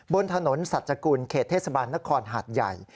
บนถนนสัจกุลเขตเทศบาลนครหาดใหญ่